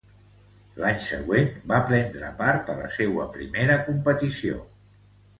L'any següent, va prendre part a la seua primera competició.